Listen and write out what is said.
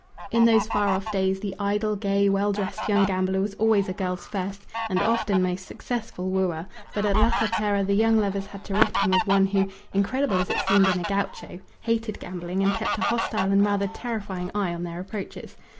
In those far off days the idle, gay, well dressed young gambler was always a girl's first and often most successful wooer, but at La Tapera the young lovers had to reckon with one who, incredible as it seemed in a gaucho, hated gambling and kept a hostile and rather terrifying eye on their approaches.